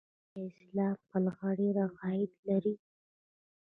آیا اسلام قلعه ډیر عاید لري؟